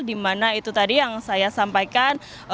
dimana itu tadi yang saya sampaikan